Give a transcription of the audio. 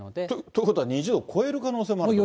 ということは２０度超える可能性もあると？